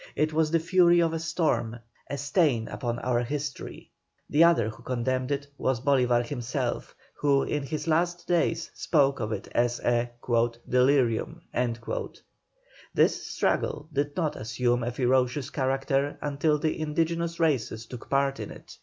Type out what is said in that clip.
It was the fury of a storm, a stain upon our history." The other who condemned it was Bolívar himself, who in his last days spoke of it as a "delirium." This struggle did not assume a ferocious character until the indigenous races took part in it.